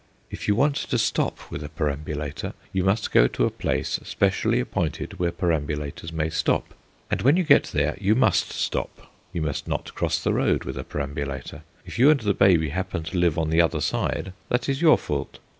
If you want to stop with a perambulator, you must go to a place specially appointed where perambulators may stop; and when you get there you must stop. You must not cross the road with a perambulator; if you and the baby happen to live on the other side, that is your fault.